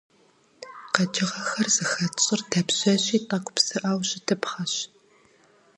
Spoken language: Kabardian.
Къэкӏыгъэхэр зыхэт щӏыр дапщэщи тӏэкӏу псыӏэу щытыпхъэщ.